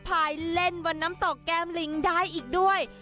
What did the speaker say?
พายเล่นบนน้ำตกแก้มลิงได้อีกด้วย